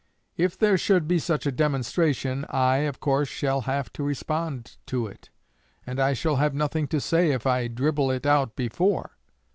If there should be such a demonstration, I, of course, shall have to respond to it, and I shall have nothing to say if I dribble it out before.